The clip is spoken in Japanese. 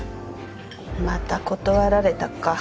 また断られたか。